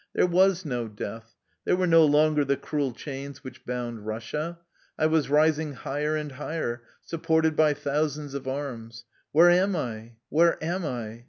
There was no death, there were no longer the cruel chains which bound Kussia. I was rising higher and higher, supported by thousands of arms. Where am I? Where am I?